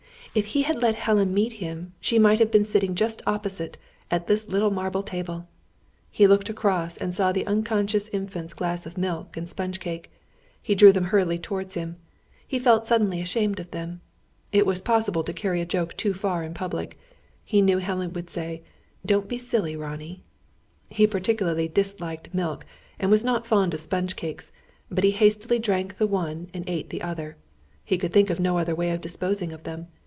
If he had let Helen meet him, she might have been sitting just opposite, at this little marble table! He looked across and saw the unconscious Infant's glass of milk and sponge cake. He drew them hurriedly towards him. He felt suddenly ashamed of them. It was possible to carry a joke too far in public. He knew Helen would say: "Don't be silly, Ronnie!" He particularly disliked milk, and was not fond of sponge cakes; but he hastily drank the one and ate the other. He could think of no other way of disposing of them.